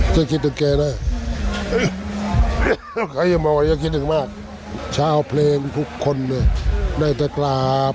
ชาติเอาเพลงทุกคนได้แต่กลาบ